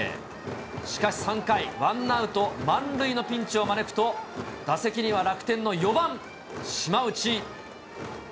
しかし３回、ワンアウト満塁のピンチを招くと、打席には、楽天の４番島内。